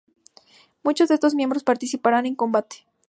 Muchos de estos miembros participarán en combate.